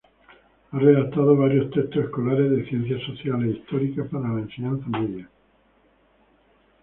Ha redactado varios textos escolares de Ciencias Sociales e Históricas para la enseñanza media.